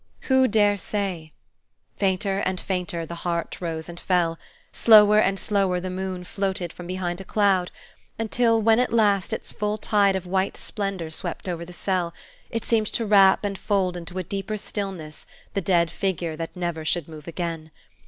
Who dare say? Fainter and fainter the heart rose and fell, slower and slower the moon floated from behind a cloud, until, when at last its full tide of white splendor swept over the cell, it seemed to wrap and fold into a deeper stillness the dead figure that never should move again.